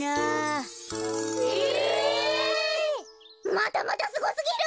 またまたすごすぎる！